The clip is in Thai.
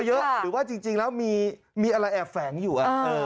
หรือว่าจริงแล้วมีอะไรแอบแฝงอยู่